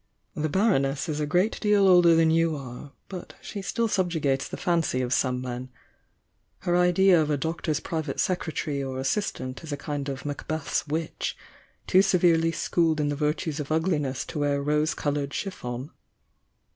"The Baroness is a great deal older than you are, but she still subjugates the fancy of some men. Her idea of a doctor's private secretary or assistant is a kind of Macbeth's witch, too severely schooled in tixe virtues of ugliness to wear rosy coloured chiffon!"